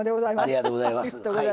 ありがとうございます。